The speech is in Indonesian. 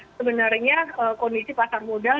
sebenarnya kondisi pasar modal